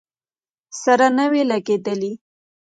سره نه وې لګېدلې.